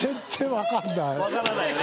分からないね。